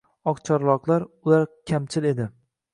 Oqcharloqlar — ular kamchil edi —